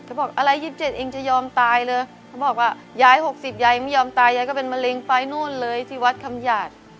บอกอะไร๒๗เองจะยอมตายเลยเขาบอกว่ายาย๖๐ยายไม่ยอมตายยายก็เป็นมะเร็งไปนู่นเลยที่วัดคำหยาด